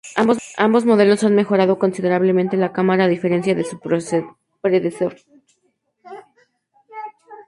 Ambos modelos han mejorado considerablemente la cámara a diferencia de su predecesor.